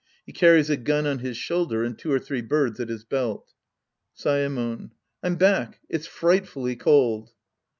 He car ries a gun on his shoulder and two or three birds at his belt.) Saemon. I'm back. It's frightfully cold.